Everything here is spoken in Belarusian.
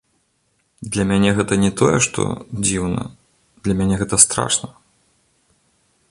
Для мяне гэта не тое, што дзіўна, для мяне гэта страшна.